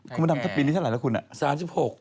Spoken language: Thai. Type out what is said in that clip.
คุณพ่อดำปีนี้เท่าไหร่แล้วคุณน่ะ๓๖